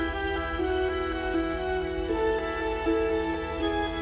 ketika mereka menemukan mereka mereka menemukan mereka di dalam van